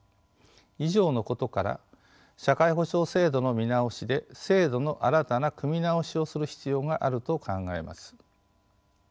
以上のことから社会保障制度の見直しで制度の新たな組み直しをする必要があると考えます。